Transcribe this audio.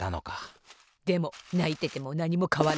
でもないててもなにもかわらない！